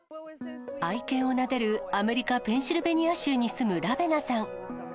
愛犬をなでるアメリカ・ペンシルベニア州に住むラベナさん。